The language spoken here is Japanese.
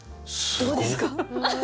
どうですか？